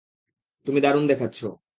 তুমি দারুণ দেখাচ্ছ।